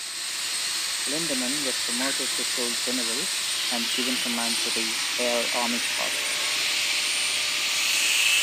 Lindemann was promoted to full General and given command of the L Army Corps.